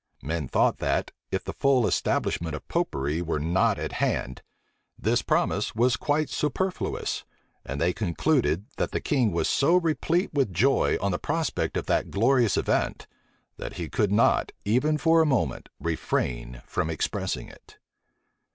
Men thought that, if the full establishment of Popery were not at hand, this promise was quite superfluous; and they concluded, that the king was so replete with joy on the prospect of that glorious event, that he could not, even for a moment, refrain from expressing it.